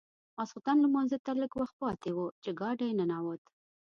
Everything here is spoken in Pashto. ماخوستن لمانځه ته لږ وخت پاتې و چې ګاډی ننوت.